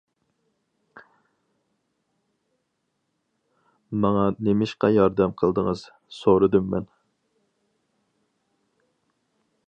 - ماڭا نېمىشقا ياردەم قىلدىڭىز؟- سورىدىم مەن.